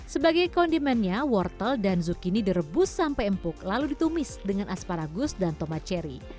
sebagai kondimennya wortel dan zukini direbus sampai empuk lalu ditumis dengan asparagus dan tomat cherry